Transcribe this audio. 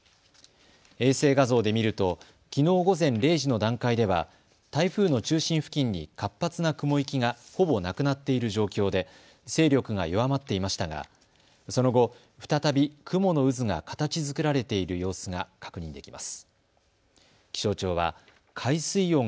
衛星画像で見るときのう午前０時の段階では台風の中心付近に活発な雲域がほぼなくなっている状況で勢力が弱まっていましたがその後、再び雲の渦が形づくられている様子が確認できます。